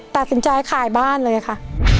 ตัดสินใจขายบ้านเลยค่ะ